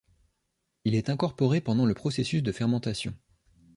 Il est incorporé pendant le processus de fermentation.